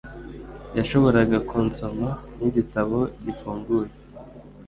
Yashoboraga kunsoma nkigitabo gifunguye.